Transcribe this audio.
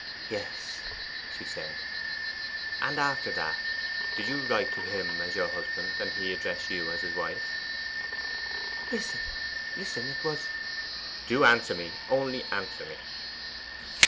'Yes,' she said. 'And after that did you write to him as your husband; and did he address you as his wife?' 'Listen, listen! It was ' 'Do answer me; only answer me!